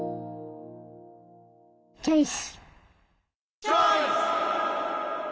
チョイス！